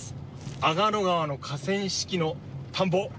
阿賀野川の河川敷の田んぼ